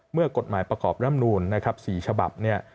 เมื่อกฎหมายประกอบร่ำนูนนะครับ๔ฉบับเนี่ย